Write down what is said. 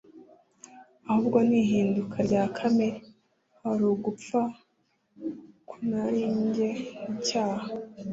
ahubwo ni ihinduka rya kamere. Hari ugupfa ku narijye n’icyaha,